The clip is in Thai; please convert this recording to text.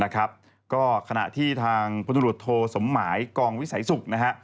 ก็ขณะที่ทางพุทธศูนย์โทสมหมายกองวิสัยศุกร์